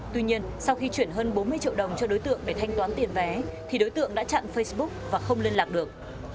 tuy nhiên sau khi chuyển hơn bốn mươi triệu đồng cho đối tượng để thanh toán tiền vé thì đối tượng đã chặn facebook và không liên lạc được